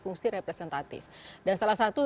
fungsi representatif dan salah satu